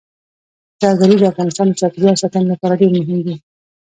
زردالو د افغانستان د چاپیریال ساتنې لپاره ډېر مهم دي.